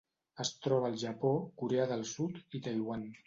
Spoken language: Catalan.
Es troba al Japó, Corea del Sud i Taiwan.